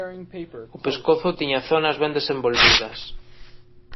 O pescozo tiña zonas ben desenvolvidas.